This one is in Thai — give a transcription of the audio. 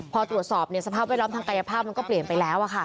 พอตรวจสอบสภาพแวดล้อมทางกายภาพมันก็เปลี่ยนไปแล้ว